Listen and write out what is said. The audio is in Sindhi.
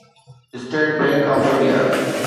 state Bank of India